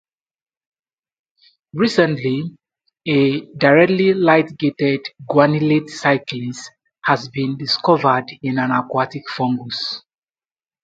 Recently, a directly light-gated guanylate cyclase has been discovered in an aquatic fungus.